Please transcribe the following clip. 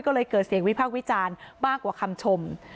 ก็เลยเกิดเสียงวิพากษ์วิจารณ์มากกว่าคำชม